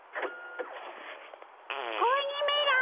子鬼めら。